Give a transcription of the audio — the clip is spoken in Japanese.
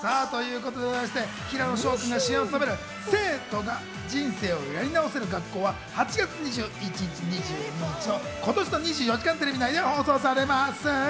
平野紫耀君が主演を務める『生徒が人生をやり直せる学校』は８月２１日、２２日の今年の『２４時間テレビ』内で放送されます。